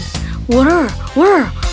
dan dia mengambil yang lain